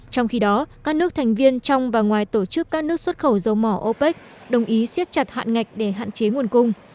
trong khi đó các nước thành viên trong và ngoài tổ chức các nước xuất khẩu dầu mỏ opec đồng ý siết chặt hạn ngạch để hạn chế nguồn cung